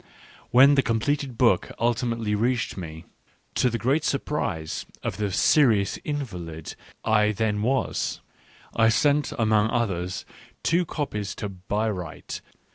When the completed book ultimately reached me, — to the great surprise of the serious invalid I then was, — I sent, among others, two copies to Bayreuth.